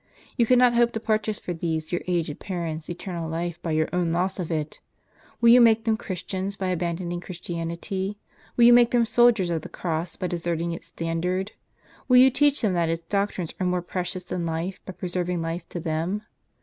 You cannot hope to purchase for these your aged parents, eternal life by your own loss of it. Will you make them Christians by abandoning Christianity? will you make them soldiers of the Cross by deserting its standard ? will you teach them that its doctrines are more precious than life, by preferring life to them